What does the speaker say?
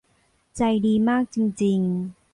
ใจดีมากจริง ๆ